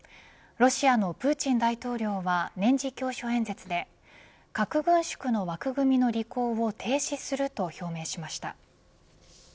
ロシアのプーチン大統領は年次教書演説で核軍縮の枠組みの履行を停止すると表明しました。